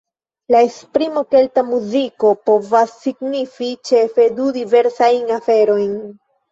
La esprimo "Kelta muziko" povas signifi ĉefe du diversajn aferojn.